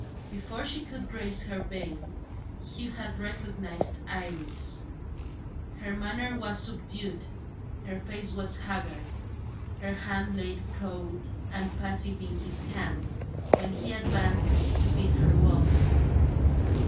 Before she could raise her veil, Hugh had recognised Iris. Her manner was subdued; her face was haggard; her hand lay cold and passive in his hand, when he advanced to bid her welcome.